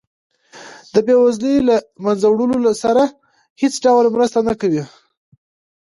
د بیوزلۍ د له مینځه وړلو سره هیڅ ډول مرسته نه کوي.